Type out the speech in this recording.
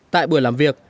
tại buổi làm việc